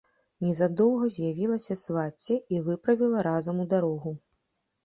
Незадоўга з'явілася свацця і выправіла разам у дарогу.